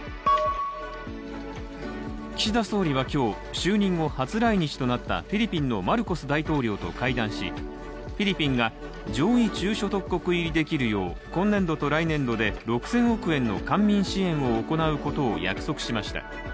岸田総理は今日、就任後初来日となったフィリピンのマルコス大統領と会談し、フィリピンが、上位中所得国入りできるよう今年度と来年度で６０００億円の官民支援を行うことを約束しました